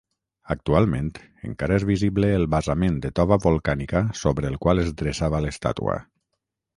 Actualment encara és visible el basament de tova volcànica sobre el qual es dreçava l'estàtua.